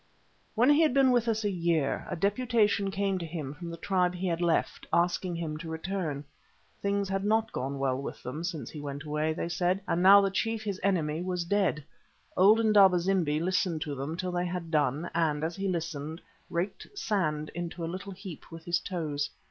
When he had been with us a year, a deputation came to him from the tribe he had left, asking him to return. Things had not gone well with them since he went away, they said, and now the chief, his enemy, was dead. Old Indaba zimbi listened to them till they had done, and, as he listened, raked sand into a little heap with his toes.